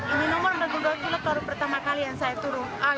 ini nomor yang tergolong dulu pertama kali yang saya turun